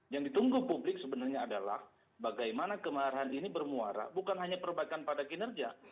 yang ditunggu publik sebenarnya adalah bagaimana kemarahan ini bermuara bukan hanya perbaikan pada kinerja